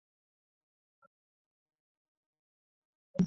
আমাদের সঠিক প্রমান করার জন্য ধন্যবাদ।